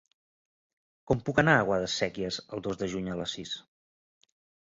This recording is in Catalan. Com puc anar a Guadasséquies el dos de juny a les sis?